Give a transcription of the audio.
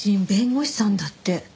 弁護士さんだって。